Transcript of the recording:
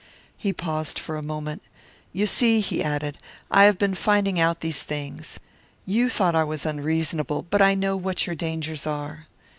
He paused for a moment. "You see," he added, "I have been finding out these things. You thought I was unreasonable, but I know what your dangers are.